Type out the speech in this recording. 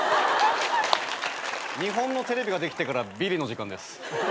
日本のテレビができてからビリの時間です。